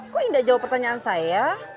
kok indah jawab pertanyaan saya